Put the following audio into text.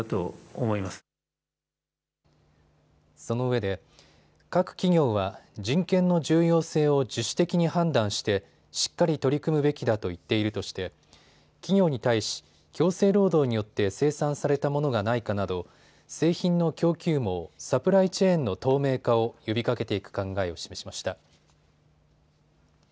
そのうえで各企業は人権の重要性を自主的に判断して、しっかり取り組むべきだと言っているとして企業に対し強制労働によって生産されたものがないかなど製品の供給網・サプライチェーンの透明化を呼びかけていく考えを示しました。